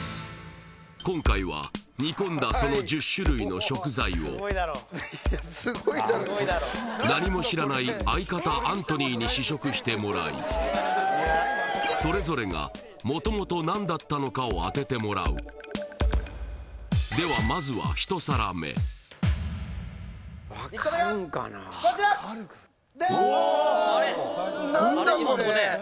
今回は煮込んだその１０種類の食材をすごいだろすごいだろ何も知らない相方アントニーに試食してもらいそれぞれが元々何だったのかを当ててもらうではまずは１個目はこちらダン！